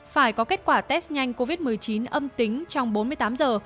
phải có kết quả test nhanh covid một mươi chín âm tính trong bốn mươi tám giờ